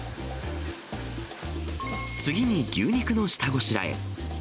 次に牛肉の下ごしらえ。